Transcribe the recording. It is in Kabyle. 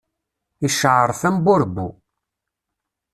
Icceɛṛef, am burebbu.